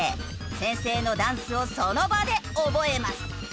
先生のダンスをその場で覚えます。